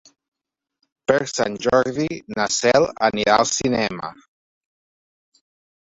Per Sant Jordi na Cel anirà al cinema.